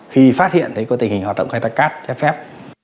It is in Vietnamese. khi phát hiện thấy tình hình hoạt động khai thác cát trái phép